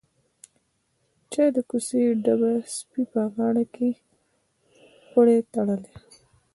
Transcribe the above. چا د کوڅه ډبه سپي په غاړه کښې پړى تړلى.